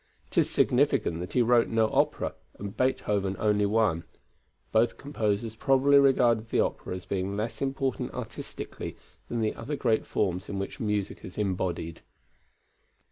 It is significant that he wrote no opera, and Beethoven only one. Both composers probably regarded the opera as being less important artistically than the other great forms in which music is embodied.